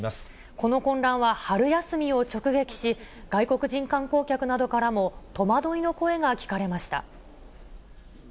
この混乱は春休みを直撃し、外国人観光客などからも、戸惑いの声が聞かれました。